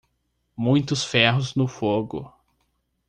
Muitos ferros no fogo.